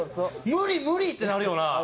無理無理！ってなるよな。